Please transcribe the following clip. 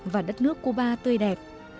và đất nước cuba tươi đẹp